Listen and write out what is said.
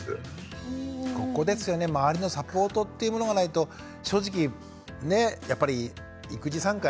ここですよね周りのサポートっていうものがないと正直ねやっぱり育児参加